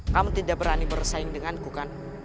kamu tidak berani bersaing denganku kan